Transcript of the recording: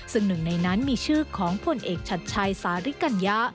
ซึ่งหนึ่งในนั้นมีชื่อของผลเอกชัดชัยสาริกัญญะ